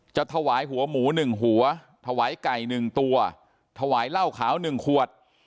จะถวายหัวหมู๑หัวถวายไก่๑ตัวถวายเหล้าขาว๑ขวด